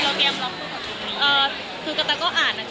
ก็อยากให้เป็นอย่างนั้นมากเลยอะค่ะ